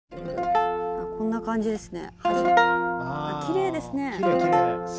こんな感じですね。